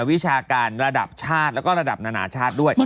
วิชาการระดับชาติแล้วก็ระดับนานาชาติด้วย